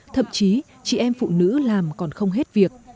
thậm chí chị em phụ nữ làm còn không hết việc